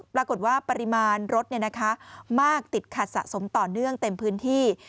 ปริมาณรถมากติดขัดสะสมต่อเนื่องเต็มพื้นที่